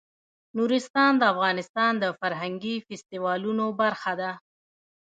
نورستان د افغانستان د فرهنګي فستیوالونو برخه ده.